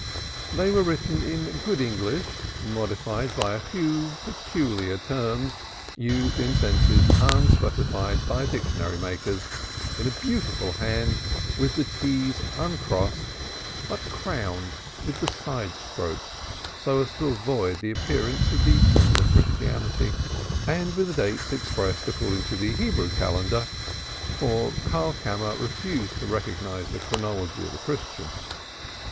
They were written in good English modified by a few peculiar terms used in senses unsuspected by dictionary makers; in a beautiful hand, with the t's uncrossed, but crowned with the side stroke, so as to avoid the appearance of the symbol of Christianity, and with the dates expressed according to the Hebrew Calendar, for Karlkammer refused to recognize the chronology of the Christian.